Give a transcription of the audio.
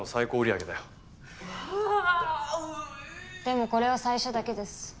でもこれは最初だけです。